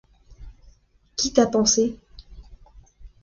Qui t'a pansé ?